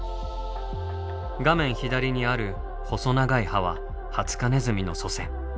画面左にある細長い歯はハツカネズミの祖先。